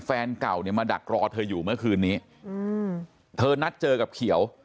แฟนเก่าเนี่ยมาดักรอเธออยู่เมื่อคืนนี้เธอนัดเจอกับเขียว